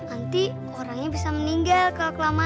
anti orangnya bisa meninggal kalau kelamaan